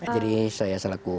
jadi saya selaku